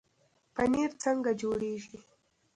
پنیر څنګه جوړیږي؟